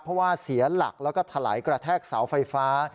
เพราะว่าเสียหลักแล้วก็ถลายกระแทกเสาไฟฟ้า